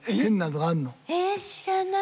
え知らない。